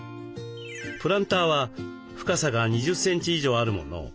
プランターは深さが２０センチ以上あるものを。